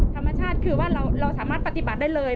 ธรรมชาติคือว่าเราสามารถปฏิบัติได้เลย